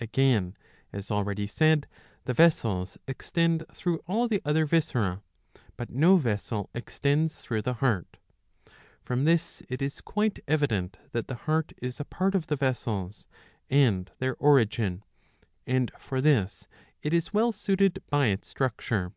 Again, as already said, the vessels extend through all the other viscera, but no vessel extends through the heart.^" From this it is quite evident that the heart is a part of the Vessels and their origin ; and for this it is well suited by its structure.